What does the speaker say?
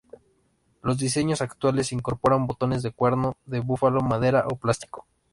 Los diseños actuales incorporan botones de cuerno de búfalo, madera o plástico.